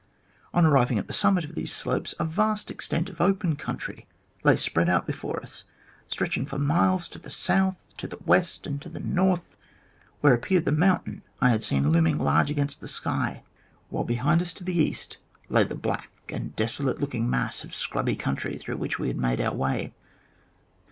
On arriving at the summit of these slopes, a vast extent of open country lay spread out before us, stretching for miles to the south, to the west, and to the north, where appeared the mountain I had seen looming large against the sky, while behind us to the east lay the black and desolate looking mass of scrubby country through which we had made our way.